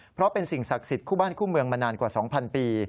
เพราะเป็นสิ่งศักดิ์สิทธิ์คู่บ้านคู่เมืองมานานกว่า๒๐๐ปี